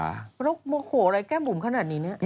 แล้วโมโหอะไรแก้มบุ๋มขนาดนี้เนี่ย